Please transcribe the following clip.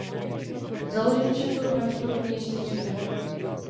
Založen však byl pravděpodobně ještě dříve.